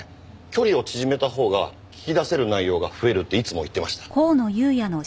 距離を縮めたほうが聞き出せる内容が増えるっていつも言ってました。